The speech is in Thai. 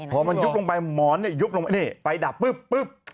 พอมันยุบลงไปหมอนเนี่ยยุบลงไปเนี่ยไฟดับปึ๊บ